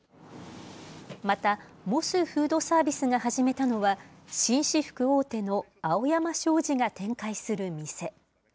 また、モスフードサービスが始めたのは、紳士服大手の青山商事が展開する店。